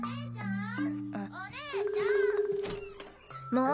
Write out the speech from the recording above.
もう！